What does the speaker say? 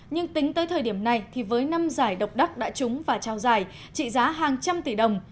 nhưng tính tới thời điểm này thì với năm giải độc đắc đã trúng và trao giải trị giá hàng trăm tỷ đồng